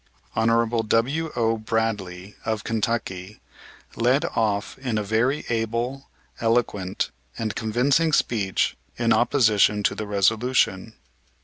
Hon. W.O. Bradley, of Kentucky, led off in a very able, eloquent, and convincing speech in opposition to the resolution.